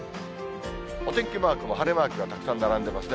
お天気マークも晴れマークがたくさん並んでいますね。